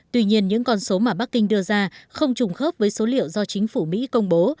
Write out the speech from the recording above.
tuy nhiên những con số mà bắc kinh đưa ra không trùng khớp với số liệu do chính phủ mỹ công bố